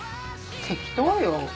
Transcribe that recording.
適当よ。